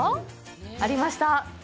ありました。